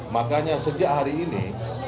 makanya sejak hari ini